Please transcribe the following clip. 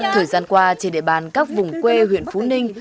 thời gian qua trên địa bàn các vùng quê huyện phú ninh